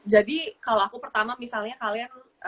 jadi kalau aku pertama misalnya kalian